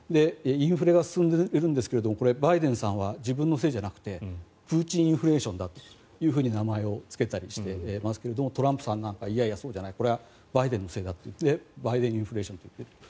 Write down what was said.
インフレが進んでいるんですがバイデンさんは自分のせいじゃなくてプーチンインフレーションだと名前をつけたりしてますがトランプさんなんかはいやいや、そうじゃないこれはバイデンのせいだとバイデンインフレーションと言っている。